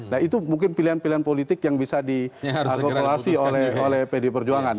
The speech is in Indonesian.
nah itu mungkin pilihan pilihan politik yang bisa diakumulasi oleh pd perjuangan